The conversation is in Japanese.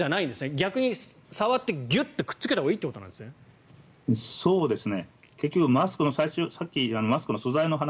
逆に触ってギュッてくっつけたほうがいいってことなんですね。